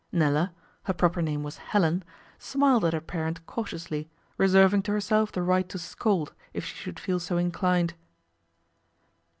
Nella her proper name was Helen smiled at her parent cautiously, reserving to herself the right to scold if she should feel so inclined.